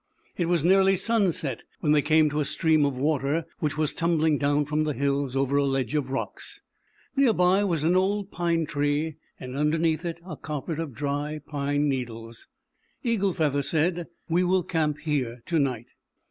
It was nearly sunset when they to a stream of water, which was tumbling down from the hills over a ledge of rocks. am :ame Near pm< !95riHL 212 ZAUBERLINDA, THE WISE WITCH. underneath it a carpet of dry pine needles. Eagle Feather, said: "We will camp here to night."